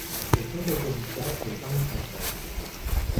Son train d'atterrissage n'est pas rétractable.